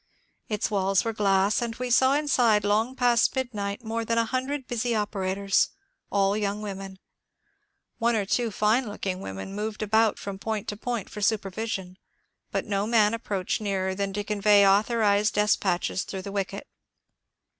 Its walls were glass, and we saw inside long past midnight more than a hundred busy operators, — all young women. One or two fine looking women moved about from point to point for supervision, but no man approached nearer than to convey authorized de spatches through the wicket.